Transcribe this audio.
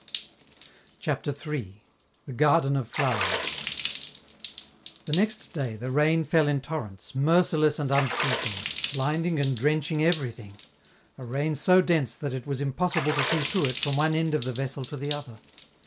CHAPTER III. THE GARDEN OF FLOWERS The next day the rain fell in torrents, merciless and unceasing, blinding and drenching everything a rain so dense that it was impossible to see through it from one end of the vessel to the other.